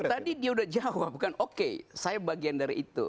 tadi dia udah jawab kan oke saya bagian dari itu